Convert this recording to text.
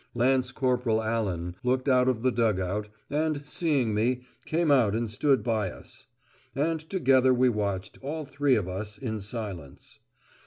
Lance Corporal Allan looked out of the dug out, and, seeing me, came out and stood by us. And together we watched, all three of us, in silence.